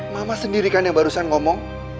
mama sendiri kan yang barusan ngomong